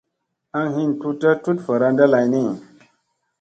Aŋ hin tutta tut varanda lay ni.